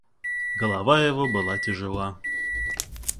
Голова его была тяжела.